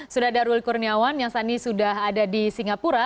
sudah ada ruli kurniawan yang saat ini sudah ada di singapura